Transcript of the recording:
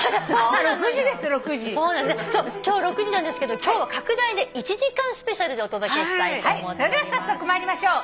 そう今日６時なんですけど今日は拡大で１時間スペシャルでお届けしたいと思っております。